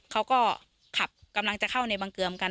เขาก็ขับกำลังจะเข้าในบังเกลือมกัน